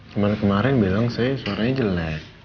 cuma kemarin bilang saya suaranya jelek